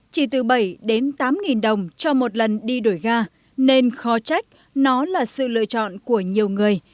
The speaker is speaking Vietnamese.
chỉ từ bảy đến tám đồng cho một lần đi đổi ga nên khó trách nó là sự lựa chọn của nhiều người